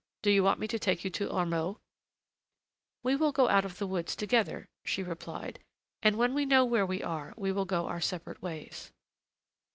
Do you want me to take you to Ormeaux?" "We will go out of the woods together," she replied, "and when we know where we are, we will go our separate ways."